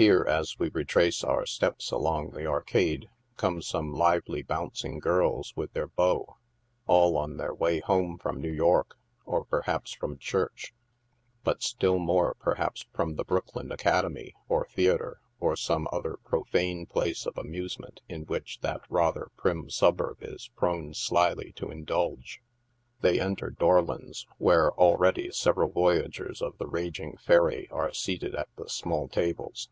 Here, as we retrace our steps along the arcade, come some lively, bouncing girls with their beaux, all on their way home from New York, or perhaps, from church, but still more perhaps from the Brooklyn Academy, or theatre, or some other profane place of amusement in which that rather prim suburb is prone slyly to indulge. They enter Dorlon's, where already several voyagers of the raging ferry are seated at the small tables.